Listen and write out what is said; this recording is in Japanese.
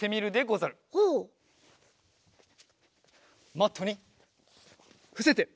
マットにふせて。